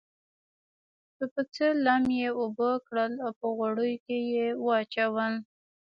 د پسه لم یې اوبه کړل او په غوړیو کې یې واچول.